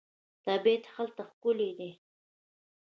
طبیعت هلته ښکلی دی.